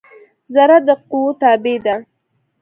ذره د قوؤ تابع ده.